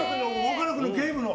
岡野君のゲームの。